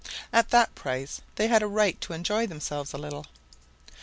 At that price they had a right to enjoy themselves a little.